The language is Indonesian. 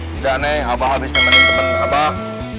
tidak neng abah habis temenin temen abah